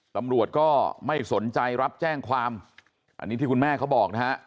ตำรวจก็ไม่สนใจรับแจ้งความอันนี้ที่คุณแม่เขาบอกนะฮะ